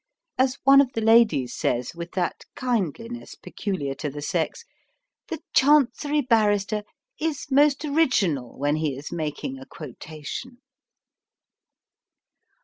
As one of the ladies says, with that kindliness peculiar to the sex, "The Chancery Barrister is most original when he is making a quotation."